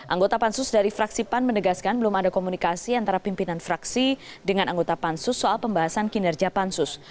anggota pansus dari fraksi pan menegaskan belum ada komunikasi antara pimpinan fraksi dengan anggota pansus soal pembahasan kinerja pansus